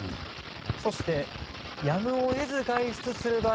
そして、やむを得ず外出する場合